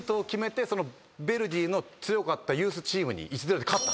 ヴェルディの強かったユースチームに１‐０で勝ったんですよ。